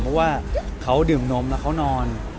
เพราะว่าเขาดื่มนมแล้วเขานอน